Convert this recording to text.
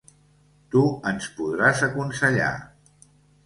Tu ens podràs aconsellar.